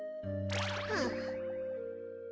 はあ。